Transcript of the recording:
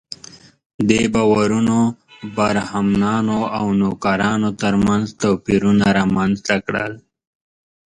دې باورونو برهمنانو او نوکرانو تر منځ توپیرونه رامنځته کړل.